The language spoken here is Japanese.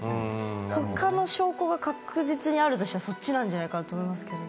他の証拠が確実にあるとしたらそっちなんじゃないかなと思いますけどね。